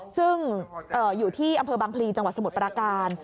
ซึ่งอยู่ที่อำเภอบังพลีจังหวัดสมุทรปราการ